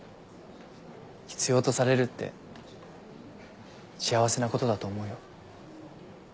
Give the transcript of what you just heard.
必要とされるって幸せなことだと思うよ。